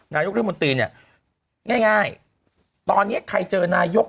นายุคที่มนตรีเนี้ยง่ายง่ายตอนเนี้ยใครเจอนายุค